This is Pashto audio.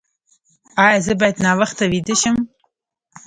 ایا زه باید ناوخته ویده شم؟